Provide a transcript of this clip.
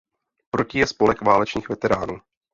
Proti je spolek válečných veteránů.